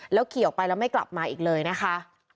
ขี่ออกไปแล้วไม่กลับมาอีกเลยนะคะ